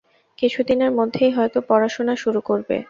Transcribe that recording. কিছুদিনের মধ্যেই হয়তো পড়াশোনা শুরু করবে।